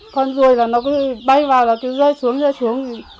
con rùi là nó cứ bay vào là cứ rơi xuống rơi xuống